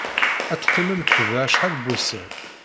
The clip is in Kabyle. Ad teqqimemt da acḥal n wussan.